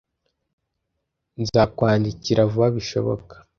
Nzakwandikira vuba bishoboka.